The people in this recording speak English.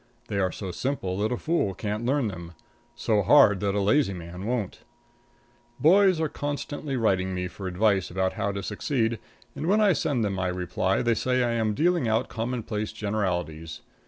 They are so simple that a fool can't learn them; so hard that a lazy man won't. Boys are constantly writing me for advice about how to succeed, and when I send them my receipt they say that I am dealing out commonplace generalities.